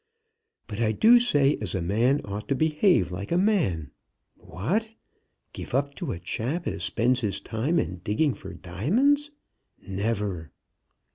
But I do say as a man ought to behave like a man. What! Give up to a chap as spends his time in digging for diamonds! Never!"